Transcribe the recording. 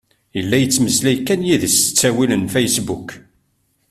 Yella yettmeslay kan d yid-s s ttawil n fasebbuk.